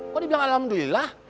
kok dibilang alhamdulillah